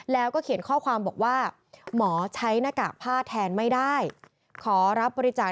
แล้วก็เขียนข้อความบอกว่า